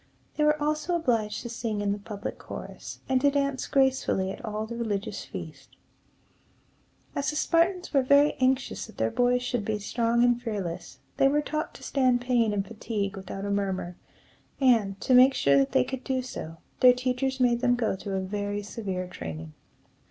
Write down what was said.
They were also obliged to sing in the public chorus, and to dance gracefully at all the religious feasts. As the Spartans were very anxious that their boys should be strong and fearless, they were taught to stand pain and fatigue without a murmur; and, to make sure that they could do so, their teachers made them go through a very severe training.